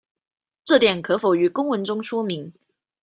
這點可否於公文中說明